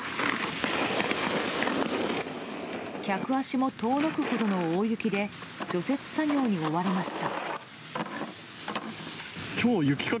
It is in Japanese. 客足も遠のくほどの大雪で除雪作業に追われました。